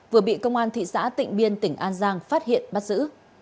vừa bị công an thị xã tịnh biên tỉnh an giang phát hiện bắt giữ